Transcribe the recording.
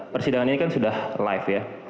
persidangan ini kan sudah live ya